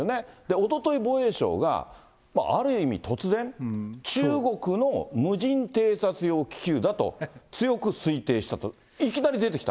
おととい、防衛省がある意味、突然、中国の無人偵察用気球だと、強く推定したと、いきなり出てきた。